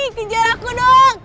pinjar aku dong